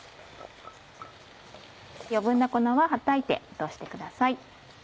余分な粉ははたいて落としてください。